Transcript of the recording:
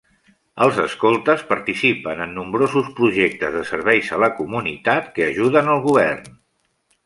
Els escoltes participen en nombrosos projectes de serveis a la comunitat que ajuden al govern.